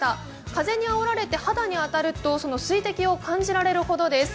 風にあおられて肌に当たると水滴を感じられるほどです。